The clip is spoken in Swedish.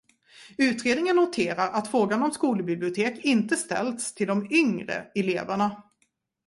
Utredningen noterar att frågan om skolbibliotek inte ställts till de yngre eleverna.